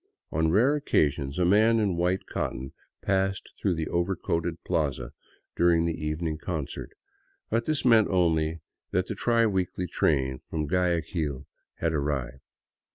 On rare occasions a man in white cotton passed through the overcoated plaza during the evening concert; but this meant only that the tri weekly train from Guayaquil had arrived.